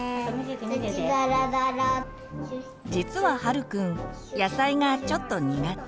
実は陽くん野菜がちょっと苦手。